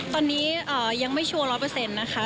ตอนนี้ยังไม่ชัวร์๑๐๐นะคะ